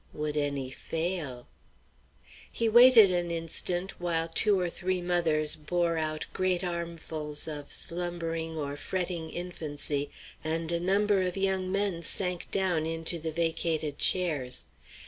Would any fail? He waited an instant while two or three mothers bore out great armfuls of slumbering or fretting infancy and a number of young men sank down into the vacated chairs.